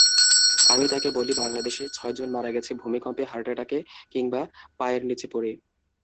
আমি তাঁকে বলি, বাংলাদেশে ছয়জন মারা গেছে ভূমিকম্পে—হার্ট অ্যাটাকে, কিংবা পায়ের নিচে পড়ে।